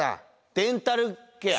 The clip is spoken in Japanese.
デンタルケア。